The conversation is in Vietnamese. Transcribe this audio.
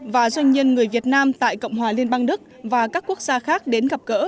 và doanh nhân người việt nam tại cộng hòa liên bang đức và các quốc gia khác đến gặp gỡ